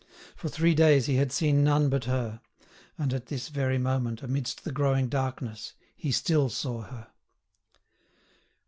For three days he had seen none but her; and at this very moment, amidst the growing darkness, he still saw her.